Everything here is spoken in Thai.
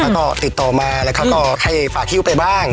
แล้วก็ติดต่อมาแล้วก็ให้ฝากฮิ้วไปบ้าง